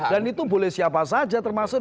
dan itu boleh siapa saja termasuk